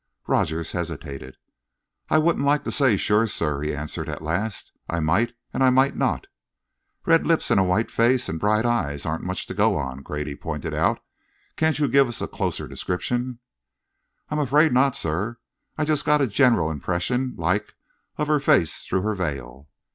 Rogers hesitated. "I wouldn't like to say sure, sir," he answered, at last. "I might and I might not." "Red lips and a white face and bright eyes aren't much to go on," Grady pointed out. "Can't you give us a closer description?" "I'm afraid not, sir. I just got a general impression, like, of her face through her veil."